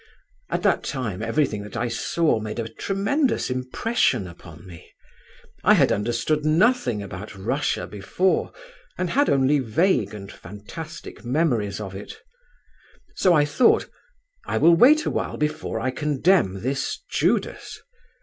At that time everything that I saw made a tremendous impression upon me. I had understood nothing about Russia before, and had only vague and fantastic memories of it. So I thought, 'I will wait awhile before I condemn this Judas.